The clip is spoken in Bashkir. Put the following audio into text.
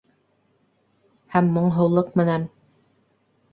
Һәм моңһоулыҡ менән: